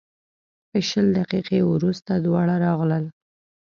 په شل دقیقې وروسته دواړه راغلل.